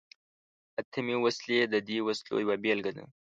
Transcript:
اتمي وسلې د دې وسلو یوه بیلګه ده.